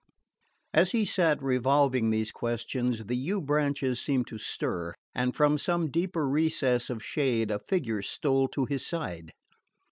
As he sat revolving these questions the yew branches seemed to stir, and from some deeper recess of shade a figure stole to his side.